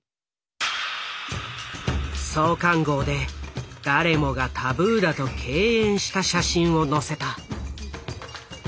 創刊号で誰もがタブーだと敬遠した写真を載せた。